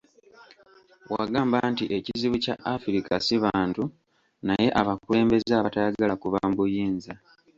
Wagamba nti ekizibu kya Africa si bantu naye abakulembeze abatayagala kuva mu buyinza.